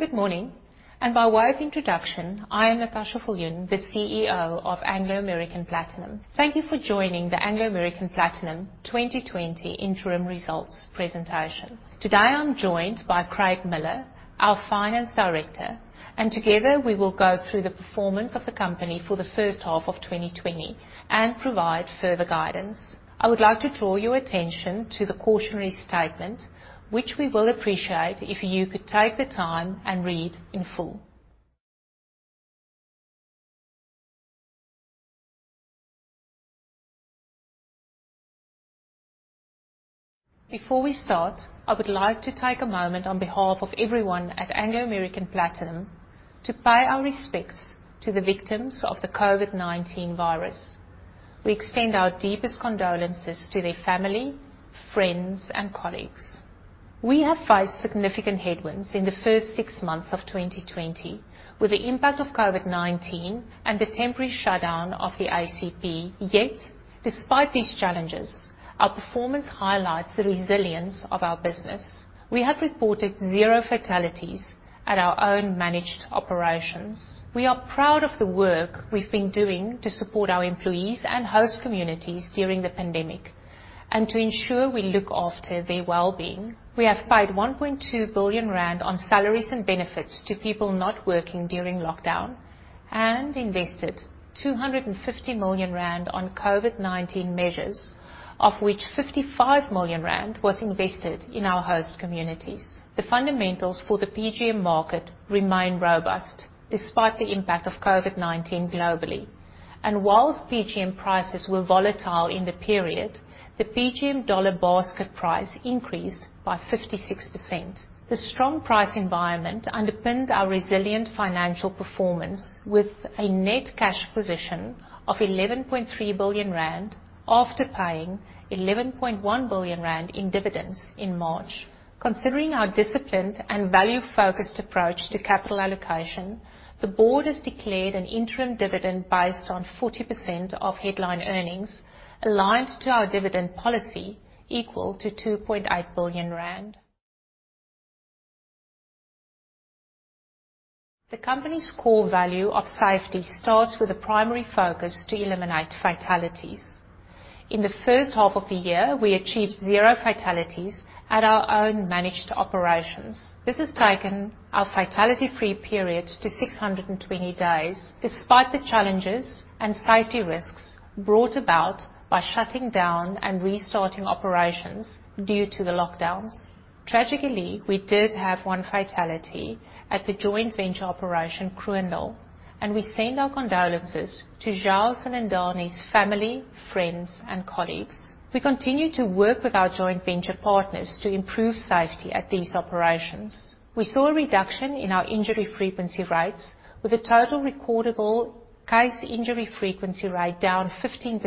Good morning, by way of introduction, I am Natascha Viljoen, the CEO of Valterra Platinum. Thank you for joining the Valterra Platinum 2020 interim results presentation. Today I'm joined by Craig Miller, our Finance Director, and together we will go through the performance of the company for the H1 of 2020 and provide further guidance. I would like to draw your attention to the cautionary statement, which we will appreciate if you could take the time and read in full. Before we start, I would like to take a moment on behalf of everyone at Valterra Platinum to pay our respects to the victims of the COVID-19 virus. We extend our deepest condolences to their family, friends, and colleagues. We have faced significant headwinds in the first six months of 2020 with the impact of COVID-19 and the temporary shutdown of the ACP. Yet despite these challenges, our performance highlights the resilience of our business. We have reported zero fatalities at our own managed operations. We are proud of the work we've been doing to support our employees and host communities during the pandemic and to ensure we look after their wellbeing. We have paid 1.2 billion rand on salaries and benefits to people not working during lockdown and invested 250 million rand on COVID-19 measures, of which 55 million rand was invested in our host communities. The fundamentals for the PGM market remain robust despite the impact of COVID-19 globally. Whilst PGM prices were volatile in the period, the PGM dollar basket price increased by 56%. The strong price environment underpinned our resilient financial performance with a net cash position of 11.3 billion rand after paying 11.1 billion rand in dividends in March. Considering our disciplined and value-focused approach to capital allocation, the board has declared an interim dividend based on 40% of headline earnings aligned to our dividend policy equal to 2.8 billion rand. The company's core value of safety starts with a primary focus to eliminate fatalities. In the first half of the year, we achieved zero fatalities at our own managed operations. This has taken our fatality-free period to 620 days despite the challenges and safety risks brought about by shutting down and restarting operations due to the lockdowns. Tragically, we did have one fatality at the joint venture operation, Kroondal, and we send our condolences to Charles Zindani's family, friends, and colleagues. We continue to work with our joint venture partners to improve safety at these operations. We saw a reduction in our injury frequency rates with a total recordable case injury frequency rate down 15%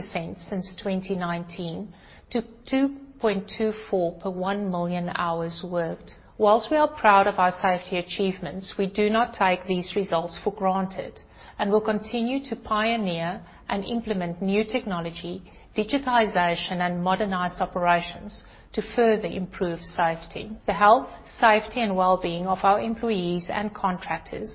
since 2019 to 2.24 per 1 million hours worked. While we are proud of our safety achievements, we do not take these results for granted and will continue to pioneer and implement new technology, digitization, and modernized operations to further improve safety. The health, safety, and wellbeing of our employees and contractors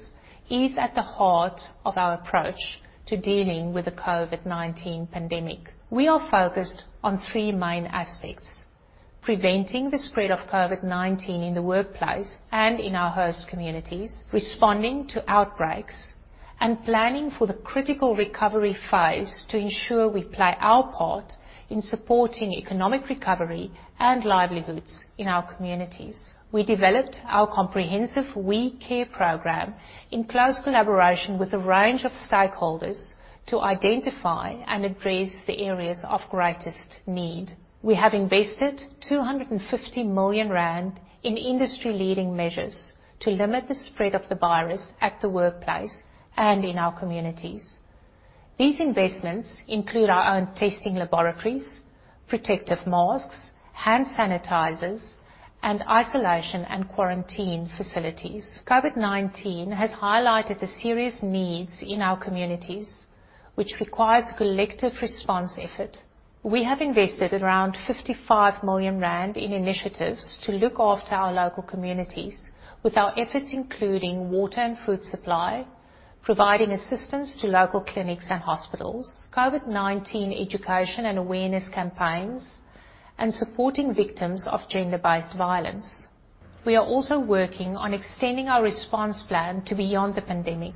is at the heart of our approach to dealing with the COVID-19 pandemic. We are focused on three main aspects, preventing the spread of COVID-19 in the workplace and in our host communities, responding to outbreaks, and planning for the critical recovery phase to ensure we play our part in supporting economic recovery and livelihoods in our communities. We developed our comprehensive We Care program in close collaboration with a range of stakeholders to identify and address the areas of greatest need. We have invested 250 million rand in industry-leading measures to limit the spread of the virus at the workplace and in our communities. These investments include our own testing laboratories, protective masks, hand sanitizers, and isolation and quarantine facilities. COVID-19 has highlighted the serious needs in our communities, which requires a collective response effort. We have invested around 55 million rand in initiatives to look after our local communities with our efforts, including water and food supply, providing assistance to local clinics and hospitals, COVID-19 education and awareness campaigns, and supporting victims of gender-based violence. We are also working on extending our response plan to beyond the pandemic,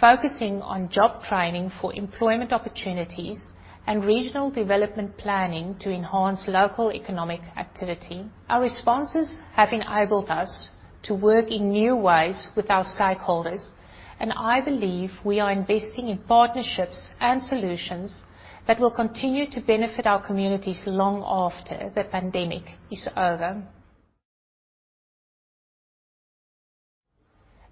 focusing on job training for employment opportunities and regional development planning to enhance local economic activity. Our responses have enabled us to work in new ways with our stakeholders, I believe we are investing in partnerships and solutions that will continue to benefit our communities long after the pandemic is over.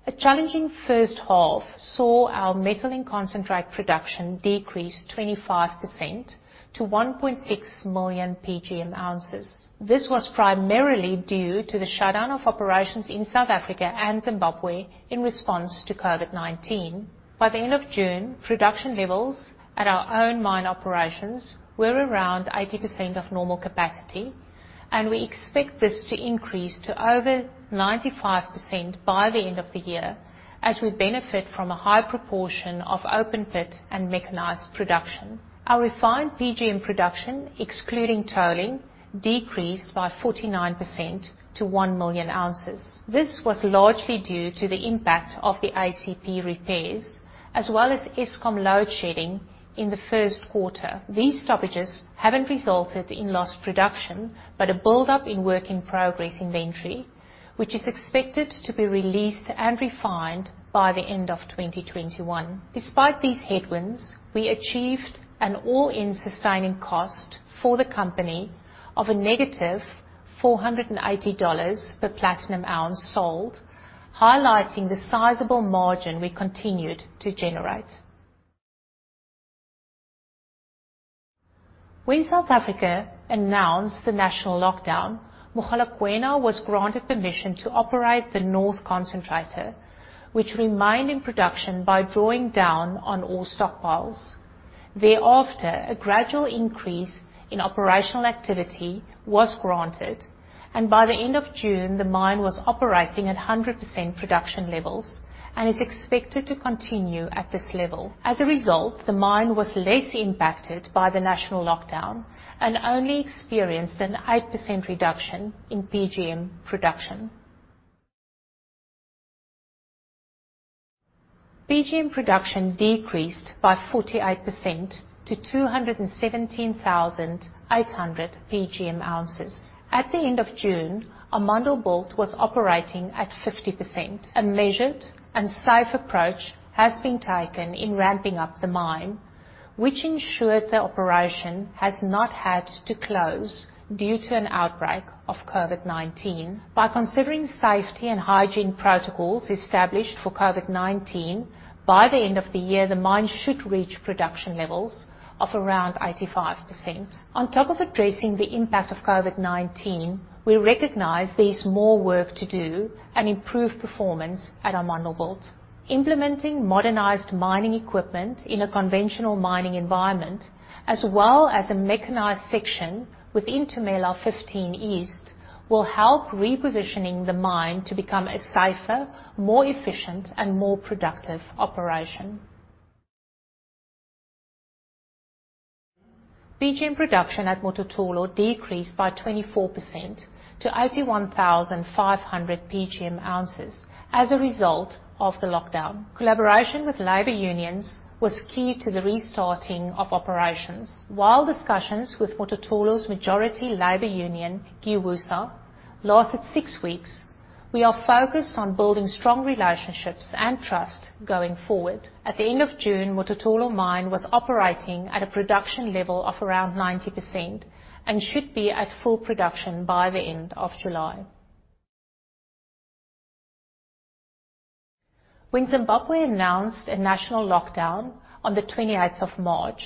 A challenging H1 saw our metal in concentrate production decrease 25% to 1.6 million PGM ounces. This was primarily due to the shutdown of operations in South Africa and Zimbabwe in response to COVID-19. By the end of June, production levels at our own mine operations were around 80% of normal capacity, we expect this to increase to over 95% by the end of the year, as we benefit from a high proportion of open pit and mechanized production. Our refined PGM production, excluding tolling, decreased by 49% to 1 million ounces. This was largely due to the impact of the ACP repairs, as well as Eskom load shedding in the first quarter. These stoppages haven't resulted in lost production, but a buildup in work-in-progress inventory, which is expected to be released and refined by the end of 2021. Despite these headwinds, we achieved an all-in sustaining cost for the company of a -ZAR 480 per platinum ounce sold, highlighting the sizable margin we continued to generate. When South Africa announced the national lockdown, Mogalakwena was granted permission to operate the North Concentrator, which remained in production by drawing down on all stockpiles. Thereafter, a gradual increase in operational activity was granted, and by the end of June, the mine was operating at 100% production levels and is expected to continue at this level. As a result, the mine was less impacted by the national lockdown and only experienced an 8% reduction in PGM production. PGM production decreased by 48% to 217,800 PGM ounces. At the end of June, Amandelbult was operating at 50%. A measured and safe approach has been taken in ramping up the mine, which ensured the operation has not had to close due to an outbreak of COVID-19. By considering safety and hygiene protocols established for COVID-19, by the end of the year, the mine should reach production levels of around 85%. On top of addressing the impact of COVID-19, we recognize there is more work to do and improve performance at Amandelbult. Implementing modernized mining equipment in a conventional mining environment, as well as a mechanized section within Tumela 15 East, will help repositioning the mine to become a safer, more efficient, and more productive operation. PGM production at Mototolo decreased by 24% to 81,500 PGM ounces as a result of the lockdown. Collaboration with labor unions was key to the restarting of operations. While discussions with Mototolo's majority labor union, GIWUSA, lasted six weeks, we are focused on building strong relationships and trust going forward. At the end of June, Mototolo Mine was operating at a production level of around 90%, and should be at full production by the end of July. When Zimbabwe announced a national lockdown on the 28th of March,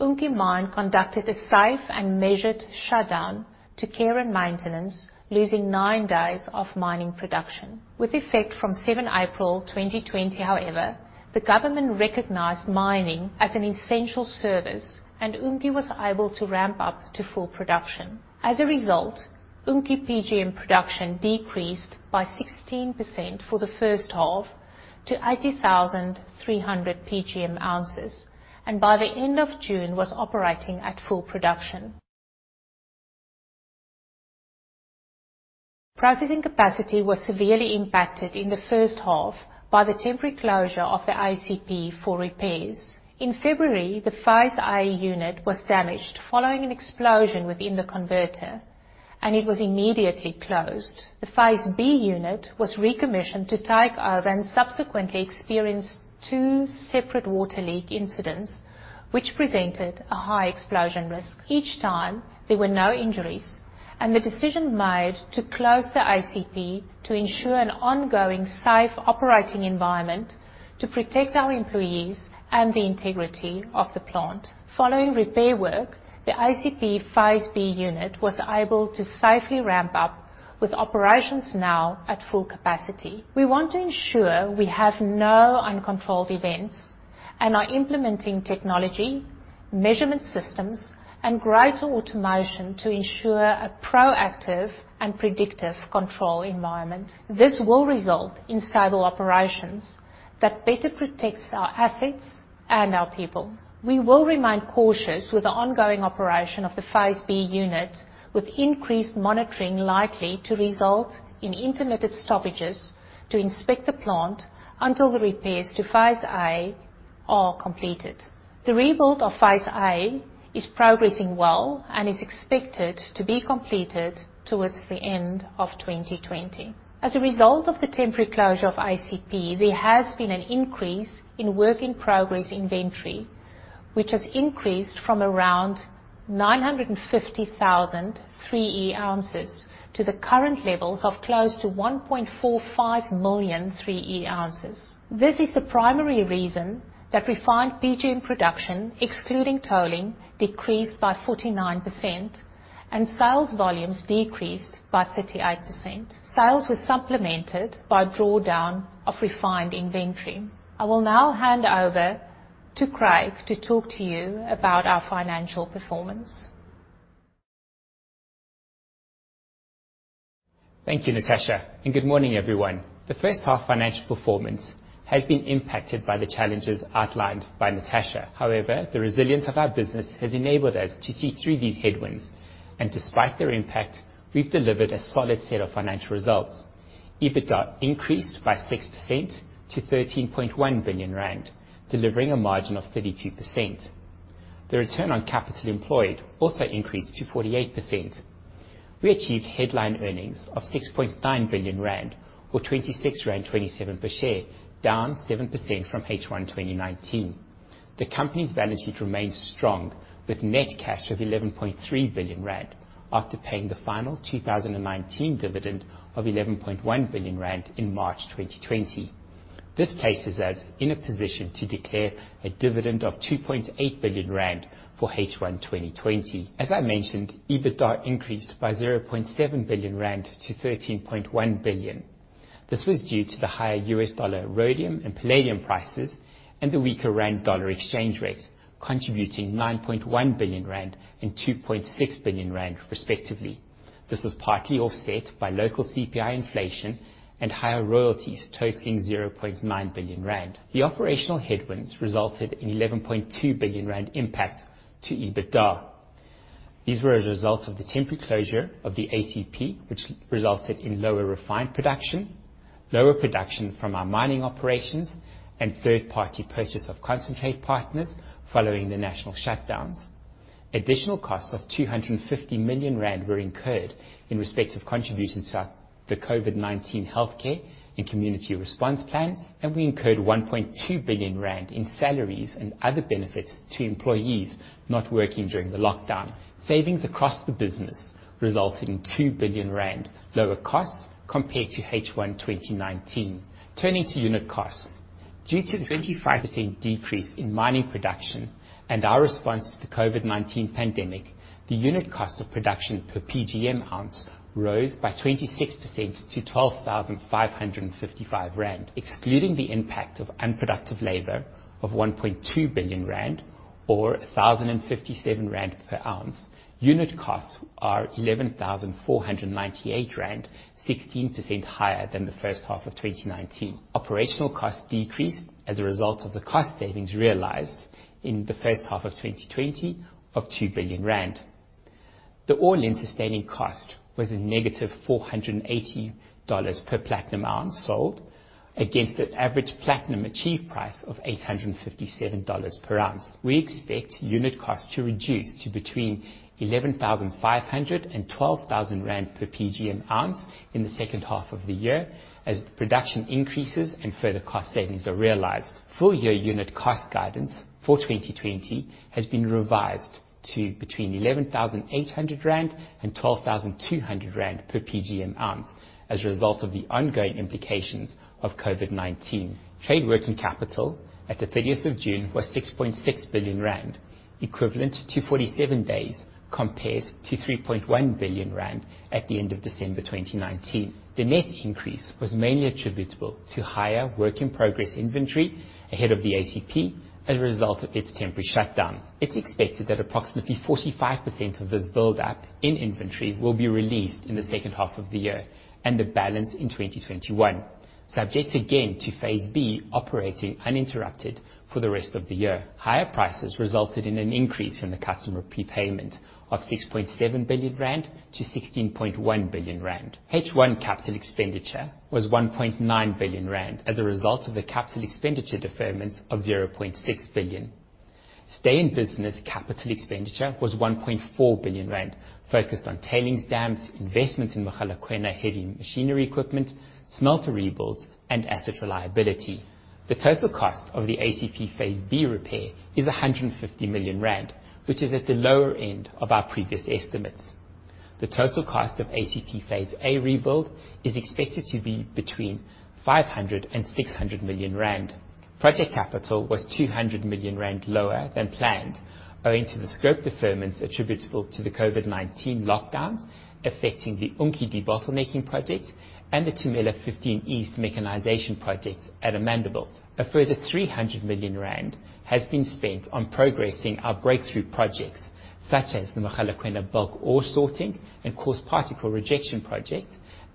Unki Mine conducted a safe and measured shutdown to care and maintenance, losing nine days of mining production. With effect from 7 April, 2020, however, the government recognized mining as an essential service, and Unki was able to ramp up to full production. As a result, Unki PGM production decreased by 16% for the H1 to 80,300 PGM ounces, and by the end of June, was operating at full production. Processing capacity was severely impacted in the H1 by the temporary closure of the ACP for repairs. In February, the Phase A was damaged following an explosion within the converter, and it was immediately closed. The Phase B was recommissioned to take over and subsequently experienced two separate water leak incidents, which presented a high explosion risk. Each time, there were no injuries, and the decision made to close the ACP to ensure an ongoing safe operating environment to protect our employees and the integrity of the plant. Following repair work, the ACP Phase B was able to safely ramp up, with operations now at full capacity. We want to ensure we have no uncontrolled events and are implementing technology, measurement systems, and greater automation to ensure a proactive and predictive control environment. This will result in stable operations that better protects our assets and our people. We will remain cautious with the ongoing operation of the Phase B unit, with increased monitoring likely to result in intermittent stoppages to inspect the plant until the repairs to phase A are completed. The rebuild of Phase A is progressing well and is expected to be completed towards the end of 2020. As a result of the temporary closure of ACP, there has been an increase in work-in-progress inventory, which has increased from around 950,000 3E ounces to the current levels of close to 1.45 million 3E ounces. This is the primary reason that refined PGM production, excluding tolling, decreased by 49% and sales volumes decreased by 38%. Sales were supplemented by drawdown of refined inventory. I will now hand over to Craig to talk to you about our financial performance. Thank you, Natascha. Good morning everyone. The H1 financial performance has been impacted by the challenges outlined by Natascha. However, the resilience of our business has enabled us to see through these headwinds, and despite their impact, we've delivered a solid set of financial results. EBITDA increased by 6% to 13.1 billion rand, delivering a margin of 32%. The return on capital employed also increased to 48%. We achieved headline earnings of 6.9 billion rand or 26.27 rand per share, down 7% from H1 2019. The company's balance sheet remains strong, with net cash of 11.3 billion rand after paying the final 2019 dividend of 11.1 billion rand in March 2020. This places us in a position to declare a dividend of 2.8 billion rand for H1 2020. As I mentioned, EBITDA increased by 0.7 billion rand to 13.1 billion. This was due to the higher USD rhodium and palladium prices and the weaker rand-dollar exchange rate, contributing 9.1 billion rand and 2.6 billion rand respectively. This was partly offset by local CPI inflation and higher royalties totaling 0.9 billion rand. The operational headwinds resulted in 11.2 billion rand impact to EBITDA. These were as a result of the temporary closure of the ACP, which resulted in lower refined production, lower production from our mining operations, and third-party purchase of concentrate partners following the national shutdowns. Additional costs of 250 million rand were incurred in respect of contributions to the COVID-19 healthcare and community response plans, and we incurred 1.2 billion rand in salaries and other benefits to employees not working during the lockdown. Savings across the business resulted in 2 billion rand lower costs compared to H1 2019. Turning to unit costs. Due to the 25% decrease in mining production and our response to the COVID-19 pandemic, the unit cost of production per PGM ounce rose by 26% to 12,555 rand. Excluding the impact of unproductive labor of 1.2 billion rand or 1,057 rand per ounce, unit costs are 11,498 rand, 16% higher than the H1 of 2019. Operational costs decreased as a result of the cost savings realized in the H1 of 2020 of 2 billion rand. The all-in sustaining cost was a -$480 per platinum ounce sold against the average platinum achieved price of $857 per ounce. We expect unit costs to reduce to between 11,500 ZAR and 12,000 rand per PGM ounce in the H2 of the year as production increases and further cost savings are realized. Full year unit cost guidance for 2020 has been revised to between 11,800 rand and 12,200 rand per PGM ounce as a result of the ongoing implications of COVID-19. Trade working capital at the 30th of June was 6.6 billion rand, equivalent to 47 days compared to 3.1 billion rand at the end of December 2019. The net increase was mainly attributable to higher work-in-progress inventory ahead of the ACP as a result of its temporary shutdown. It's expected that approximately 45% of this buildup in inventory will be released in the H2 of the year and the balance in 2021, subject again to Phase B operating uninterrupted for the rest of the year. Higher prices resulted in an increase in the customer prepayment of 6.7 billion-16.1 billion rand. H1 capital expenditure was 1.9 billion rand as a result of the capital expenditure deferments of 0.6 billion. Stay-in-business capital expenditure was 1.4 billion rand focused on tailings dams, investments in Mogalakwena heavy machinery equipment, smelter rebuilds, and asset reliability. The total cost of the ACP Phase B repair is 150 million rand, which is at the lower end of our previous estimates. The total cost of ACP Phase A rebuild is expected to be between 500 million and 600 million rand. Project capital was 200 million rand lower than planned, owing to the scope deferments attributable to the COVID-19 lockdowns affecting the Unki debottlenecking project and the Tumela 15 East mechanization projects at Amandelbult. A further 300 million rand has been spent on progressing our breakthrough projects such as the Mogalakwena bulk ore sorting and coarse particle rejection project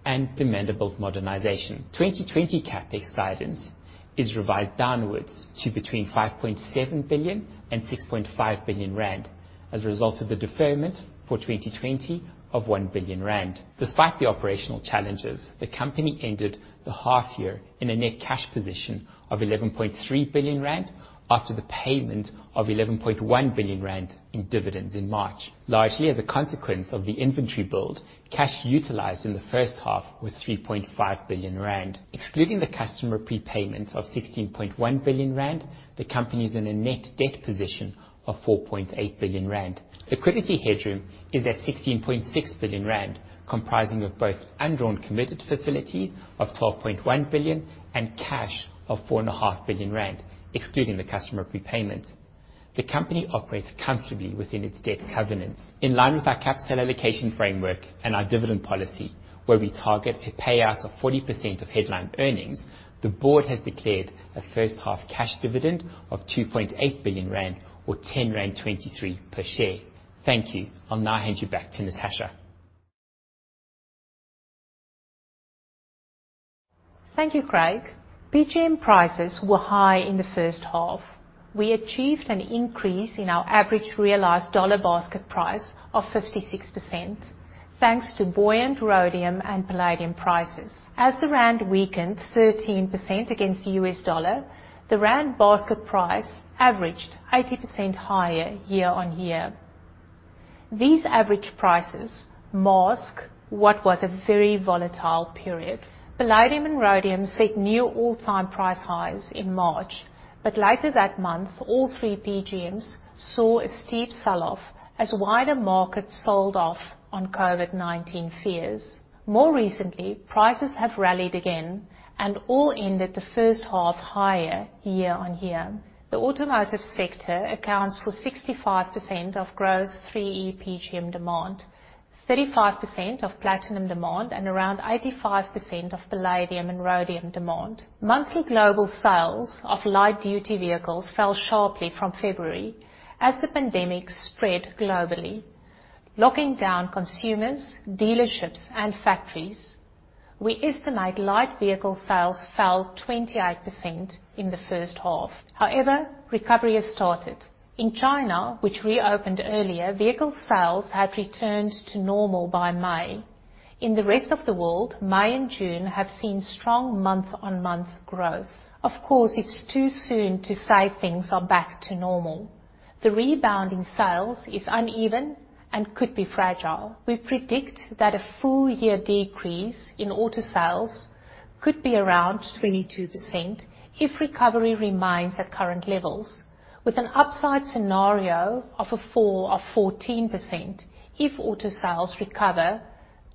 and the Amandelbult modernization. 2020 CapEx guidance is revised downwards to between 5.7 billion and 6.5 billion rand as a result of the deferment for 2020 of 1 billion rand. Despite the operational challenges, the company ended the 1/2 year in a net cash position of 11.3 billion rand after the payment of 11.1 billion rand in dividends in March. Largely as a consequence of the inventory build, cash utilized in the H1 was 3.5 billion rand. Excluding the customer prepayment of 16.1 billion rand, the company is in a net debt position of 4.8 billion rand. Liquidity headroom is at 16.6 billion rand, comprising of both undrawn committed facilities of 12.1 billion and cash of 4.5 billion rand, excluding the customer prepayment. The company operates comfortably within its debt covenants. In line with our capital allocation framework and our dividend policy, where we target a payout of 40% of headline earnings, the board has declared a H1 cash dividend of 2.8 billion rand, or 10.23 rand per share. Thank you. I'll now hand you back to Natascha. Thank you, Craig. PGM prices were high in the first half. We achieved an increase in our average realized dollar basket price of 56% thanks to buoyant rhodium and palladium prices. As the rand weakened 13% against the US dollar, the rand basket price averaged 80% higher year-on-year. These average prices mask what was a very volatile period. Palladium and rhodium set new all-time price highs in March, but later that month, all three PGMs saw a steep sell-off as wider markets sold off on COVID-19 fears. More recently, prices have rallied again and all ended the first half higher year-on-year. The automotive sector accounts for 65% of gross 3E PGM demand, 35% of platinum demand, and around 85% of palladium and rhodium demand. Monthly global sales of light-duty vehicles fell sharply from February as the pandemic spread globally, locking down consumers, dealerships, and factories. We estimate light-vehicle sales fell 28% in the H1. However, recovery has started. In China, which reopened earlier, vehicle sales had returned to normal by May. In the rest of the world, May and June have seen strong month-on-month growth. Of course, it's too soon to say things are back to normal. The rebound in sales is uneven and could be fragile. We predict that a full-year decrease in auto sales could be around 22% if recovery remains at current levels, with an upside scenario of a fall of 14% if auto sales recover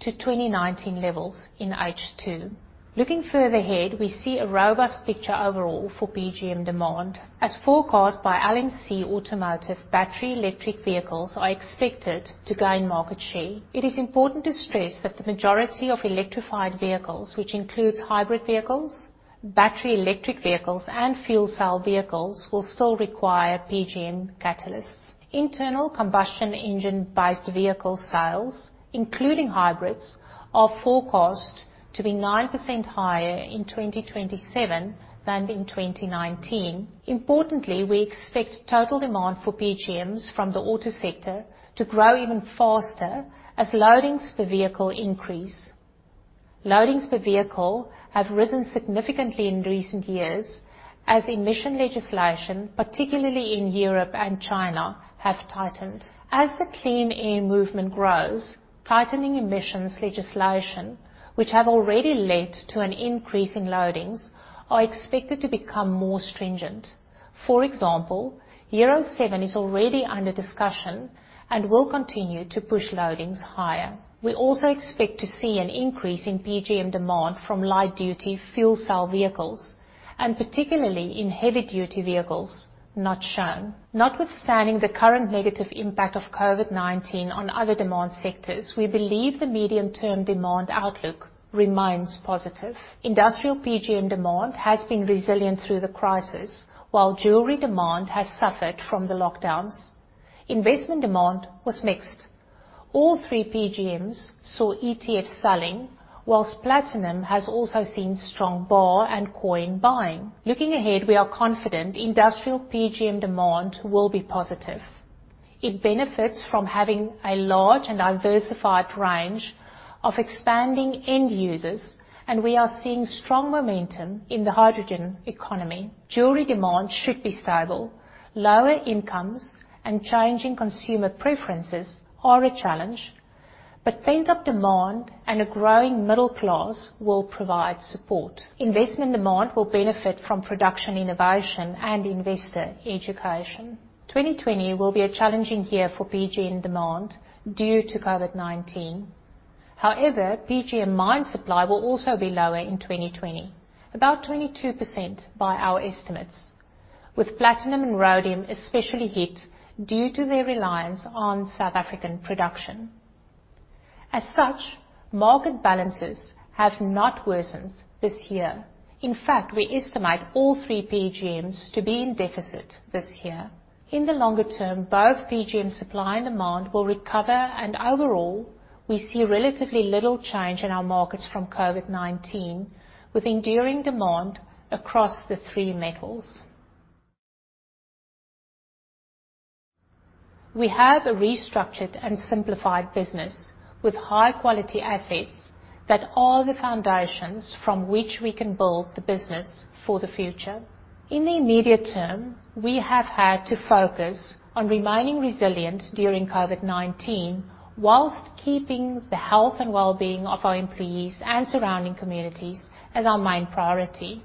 to 2019 levels in H2. Looking further ahead, we see a robust picture overall for PGM demand. As forecast by LMC Automotive, battery electric vehicles are expected to gain market share. It is important to stress that the majority of electrified vehicles, which includes hybrid vehicles, battery electric vehicles, and fuel cell vehicles, will still require PGM catalysts. Internal combustion engine-based vehicle sales, including hybrids, are forecast to be 9% higher in 2027 than in 2019. Importantly, we expect total demand for PGMs from the auto sector to grow even faster as loadings per vehicle increase. Loadings per vehicle have risen significantly in recent years as emission legislation, particularly in Europe and China, have tightened. As the clean air movement grows, tightening emissions legislation, which have already led to an increase in loadings, are expected to become more stringent. For example, Euro 7 is already under discussion and will continue to push loadings higher. We also expect to see an increase in PGM demand from light-duty fuel cell vehicles, and particularly in heavy-duty vehicles, not shown. Notwithstanding the current negative impact of COVID-19 on other demand sectors, we believe the medium-term demand outlook remains positive. Industrial PGM demand has been resilient through the crisis, while jewelry demand has suffered from the lockdowns. Investment demand was mixed. All three PGMs saw ETF selling, whilst platinum has also seen strong bar and coin buying. Looking ahead, we are confident industrial PGM demand will be positive. It benefits from having a large and diversified range of expanding end users, and we are seeing strong momentum in the hydrogen economy. Jewelry demand should be stable. Lower incomes and changing consumer preferences are a challenge, but pent-up demand and a growing middle class will provide support. Investment demand will benefit from production innovation and investor education. 2020 will be a challenging year for PGM demand due to COVID-19. However, PGM mine supply will also be lower in 2020, about 22% by our estimates, with platinum and rhodium especially hit due to their reliance on South African production. As such, market balances have not worsened this year. In fact, we estimate all three PGMs to be in deficit this year. In the longer term, both PGM supply and demand will recover, and overall, we see relatively little change in our markets from COVID-19, with enduring demand across the three metals. We have a restructured and simplified business with high-quality assets that are the foundations from which we can build the business for the future. In the immediate term, we have had to focus on remaining resilient during COVID-19 while keeping the health and wellbeing of our employees and surrounding communities as our main priority.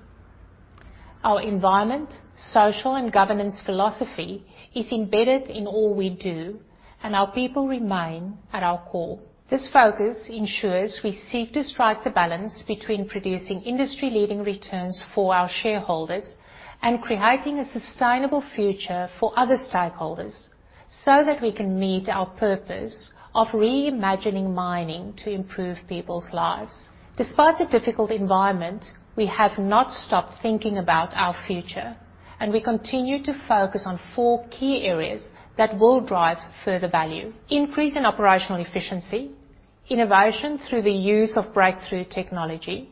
Our environment, social, and governance philosophy is embedded in all we do. Our people remain at our core. This focus ensures we seek to strike the balance between producing industry-leading returns for our shareholders and creating a sustainable future for other stakeholders, so that we can meet our purpose of re-imagining mining to improve people's lives. Despite the difficult environment, we have not stopped thinking about our future, and we continue to focus on four key areas that will drive further value. Increasing operational efficiency, innovation through the use of breakthrough technology,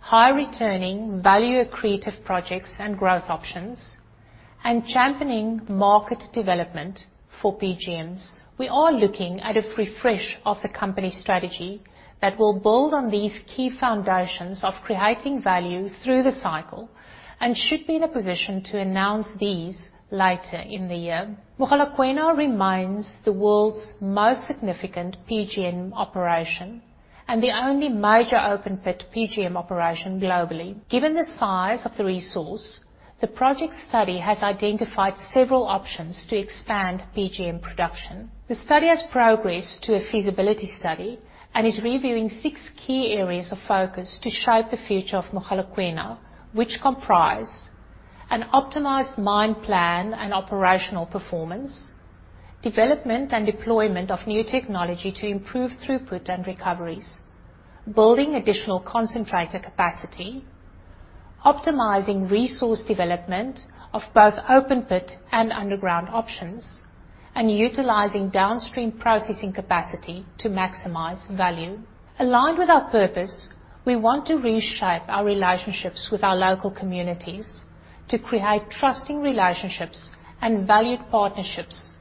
high returning, value accretive projects and growth options, and championing market development for PGMs. We are looking at a refresh of the company strategy that will build on these key foundations of creating value through the cycle, and should be in a position to announce these later in the year. Mogalakwena remains the world's most significant PGM operation, and the only major open pit PGM operation globally. Given the size of the resource, the project study has identified several options to expand PGM production. The study has progressed to a feasibility study, and is reviewing 6 key areas of focus to shape the future of Mogalakwena, which comprise an optimized mine plan and operational performance, development and deployment of new technology to improve throughput and recoveries, building additional concentrator capacity, optimizing resource development of both open pit and underground options, and utilizing downstream processing capacity to maximize value. Aligned with our purpose, we want to reshape our relationships with our local communities to create trusting relationships and valued partnerships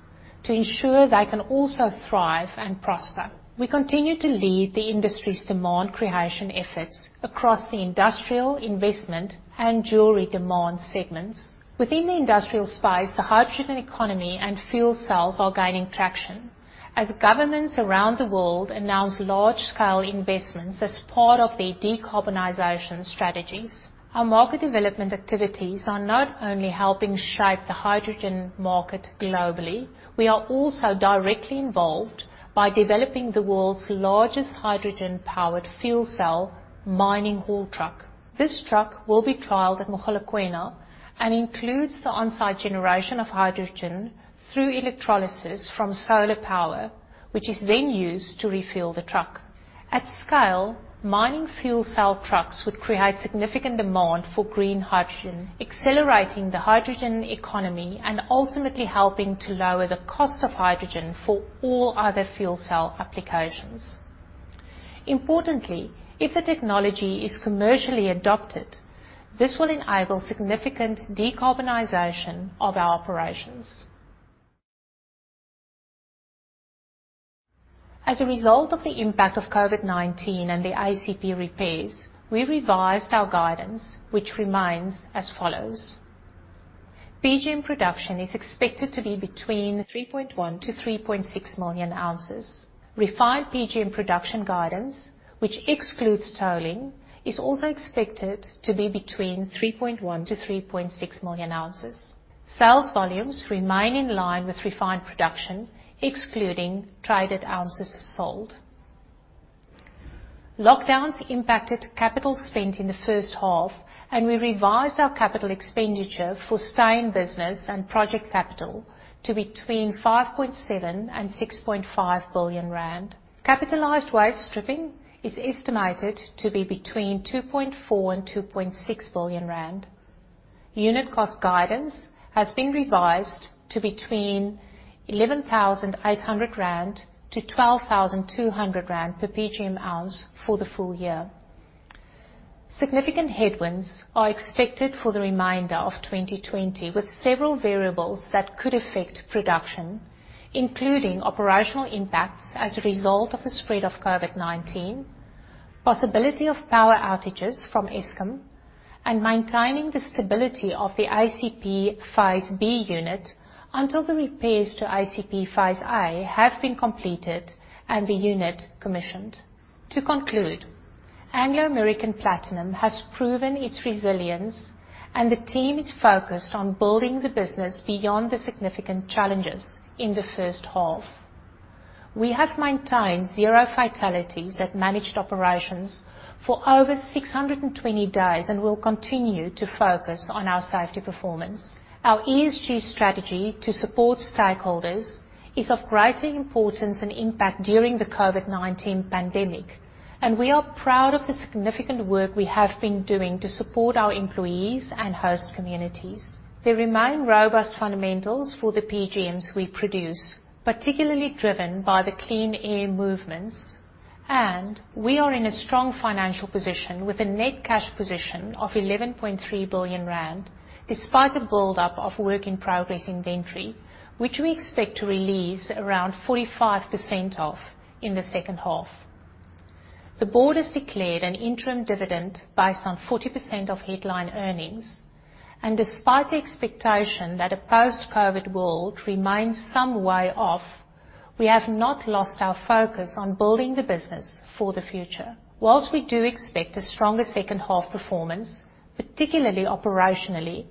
to ensure they can also thrive and prosper. We continue to lead the industry's demand creation efforts across the industrial, investment, and jewelry demand segments. Within the industrial space, the hydrogen economy and fuel cells are gaining traction as governments around the world announce large-scale investments as part of their decarbonization strategies. Our market development activities are not only helping shape the hydrogen market globally, we are also directly involved by developing the world's largest hydrogen-powered fuel cell mining haul truck. This truck will be trialed at Mogalakwena and includes the onsite generation of hydrogen through electrolysis from solar power, which is then used to refuel the truck. At scale, mining fuel cell trucks would create significant demand for green hydrogen, accelerating the hydrogen economy, and ultimately helping to lower the cost of hydrogen for all other fuel cell applications. Importantly, if the technology is commercially adopted, this will enable significant decarbonization of our operations. As a result of the impact of COVID-19 and the ACP repairs, we revised our guidance, which remains as follows. PGM production is expected to be between 3.1-3.6 million ounces. Refined PGM production guidance, which excludes tolling, is also expected to be between 3.1-3.6 million ounces. Sales volumes remain in line with refined production, excluding traded ounces sold. Lockdowns impacted capital spent in the first half, and we revised our capital expenditure for sustained business and project capital to between 5.7 billion and 6.5 billion rand. Capitalized waste stripping is estimated to be between 2.4 billion and 2.6 billion rand. Unit cost guidance has been revised to between 11,800-12,200 rand per PGM ounce for the full year. Significant headwinds are expected for the remainder of 2020, with several variables that could affect production, including operational impacts as a result of the spread of COVID-19, possibility of power outages from Eskom, and maintaining the stability of the ACP Phase B unit until the repairs to ACP Phase A have been completed and the unit commissioned. To conclude, Anglo American Platinum has proven its resilience, and the team is focused on building the business beyond the significant challenges in the H1. We have maintained zero fatalities at managed operations for over 620 days, and will continue to focus on our safety performance. Our ESG strategy to support stakeholders is of greater importance and impact during the COVID-19 pandemic, and we are proud of the significant work we have been doing to support our employees and host communities. There remain robust fundamentals for the PGMs we produce, particularly driven by the clean air movements. We are in a strong financial position with a net cash position of 11.3 billion rand, despite a buildup of work in progress inventory, which we expect to release around 45% of in the second half. The board has declared an interim dividend based on 40% of headline earnings. Despite the expectation that a post-COVID world remains some way off, we have not lost our focus on building the business for the future. Whilst we do expect a stronger second half performance, particularly operationally,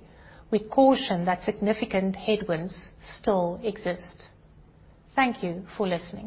we caution that significant headwinds still exist. Thank you for listening.